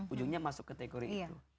ujungnya masuk ke tegur itu